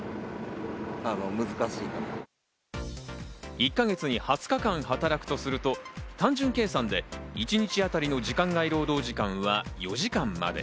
１か月に２０日間働くとすると、単純計算で一日あたりの時間外労働時間は４時間まで。